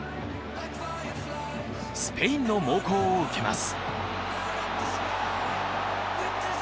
スペインの猛攻を受けます。